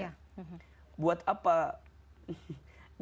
maka ketika kita menjalankan aktivitas dunia ngejarnya ridhuk allah aja